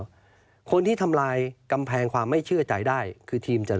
สมมติปปชคนที่ทำลายกำแพงความไม่เชื่อใจได้คือทีมเจล